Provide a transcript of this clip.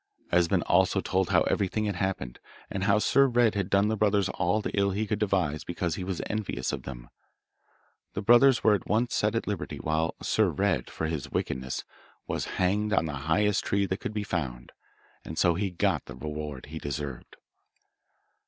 Esben also told how everything had happened, and how Sir Red had done the brothers all the ill he could devise because he was envious of them. The brothers were at once set at liberty, while Sir Red, for his wickedness, was hanged on the highest tree that could be found, and so he got the reward he deserved.